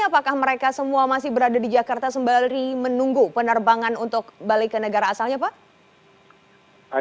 apakah mereka semua masih berada di jakarta sembari menunggu penerbangan untuk balik ke negara asalnya pak